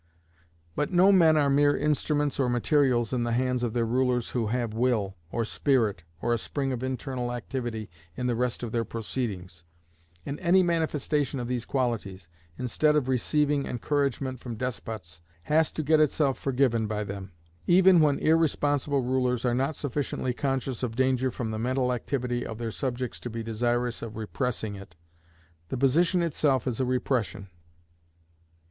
But no men are mere instruments or materials in the hands of their rulers who have will, or spirit, or a spring of internal activity in the rest of their proceedings, and any manifestation of these qualities, instead of receiving encouragement from despots, has to get itself forgiven by them. Even when irresponsible rulers are not sufficiently conscious of danger from the mental activity of their subjects to be desirous of repressing it, the position itself is a repression.